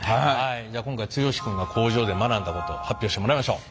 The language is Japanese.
じゃあ今回剛君が工場で学んだこと発表してもらいましょう。